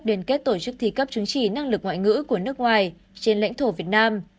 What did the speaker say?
liên kết tổ chức thi cấp chứng chỉ năng lực ngoại ngữ của nước ngoài trên lãnh thổ việt nam